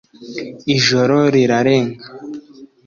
ijoro rirarenga;